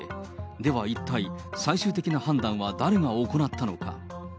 では、一体、最終的な判断は誰が行ったのか。